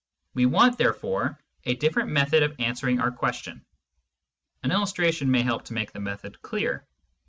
We want, therefore, a different method of answering our question. An illustration may help to make the method clear.